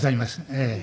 ええ。